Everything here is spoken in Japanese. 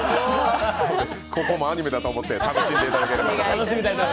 ここもアニメだと思って楽しんでいただければ。